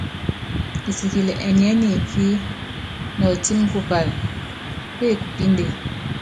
Kisikili ɛnyiɛ́ nimfíli nɔtími kupála, pékupínde.